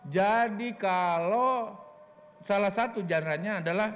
jadi kalau salah satu jadwalnya adalah